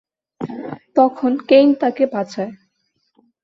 তখন কেইন তাকে বাঁচায়।